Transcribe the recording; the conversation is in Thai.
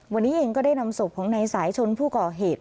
วันนี้เองก็ได้นำศพของนายสายชนผู้ก่อเหตุ